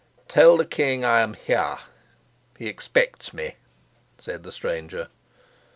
"Tell the king I am here. He expects me," said the stranger.